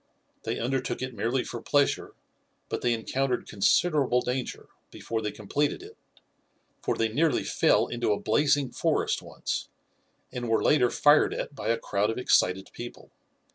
They undertook it merely for pleasure, but they encountered considerable danger, before they completed it, for they nearly fell into a blazing forest once, and were later fired at by a crowd of excited people.